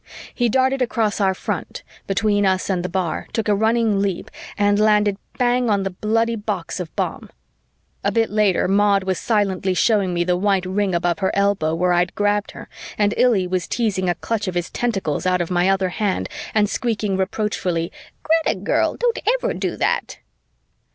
He darted across our front, between us and the bar, took a running leap, and landed bang on the bloody box of bomb. A bit later, Maud was silently showing me the white ring above her elbow where I'd grabbed her and Illy was teasing a clutch of his tentacles out of my other hand and squeaking reproachfully, "Greta girl, don't ever do that."